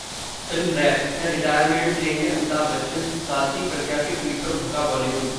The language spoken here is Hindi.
FilmWrap: क्या रिटायरमेंट लेंगे अमिताभ बच्चन, साध्वी प्रज्ञा के ट्वीट पर भड़का बॉलीवुड